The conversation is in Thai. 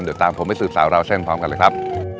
เดี๋ยวตามผมให้ศึกสารเล่าเส้นพร้อมกันเลยครับ